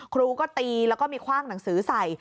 ครูก็ตีแล้วก็มีคว่างหนังสือใส่